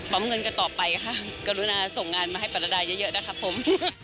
เงินกันต่อไปค่ะกรุณาส่งงานมาให้ปรดาเยอะนะครับผม